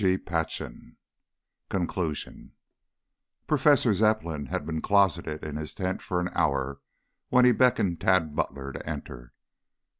CHAPTER XXI CONCLUSION Professor Zepplin had been closeted in his tent for an hour when he beckoned Tad Butler to enter.